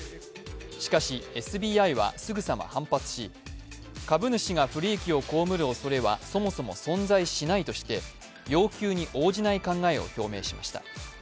しかし、ＳＢＩはすぐさま反発し株主が不利益を被るおそれは、そもそも存在しないとして要求に応じない考えを表明しました。